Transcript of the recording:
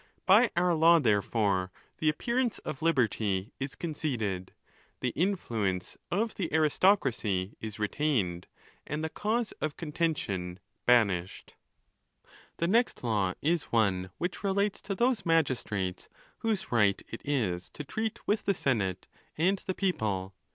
By our law, therefore, the appearance of liberty is conceded, the influence of the aristocracy is retained, and the cause of contention banished. XVIII. The next law is one which relates to those magis trates, whose right it is to treat with the senate and the people.